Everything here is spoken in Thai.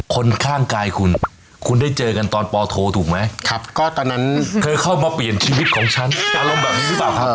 คนข้างกายคุณคุณได้เจอกันตอนปโทถูกไหมครับก็ตอนนั้นเธอเข้ามาเปลี่ยนชีวิตของฉันอารมณ์แบบนี้หรือเปล่าครับ